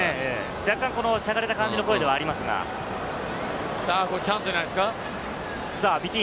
若干しゃがれた声ではあチャンスじゃないですか？